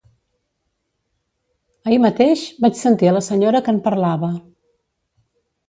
Ahir mateix vaig sentir a la senyora que en parlava.